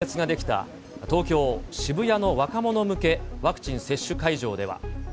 一方、きのうも朝から行列が出来た、東京・渋谷の若者向けワクチン接種会場では。